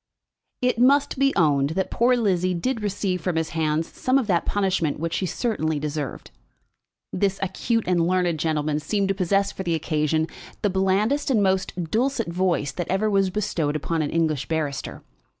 It must be owned that poor Lizzie did receive from his hands some of that punishment which she certainly deserved. This acute and learned gentleman seemed to possess for the occasion the blandest and most dulcet voice that ever was bestowed upon an English barrister.